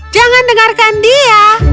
jangan dengarkan dia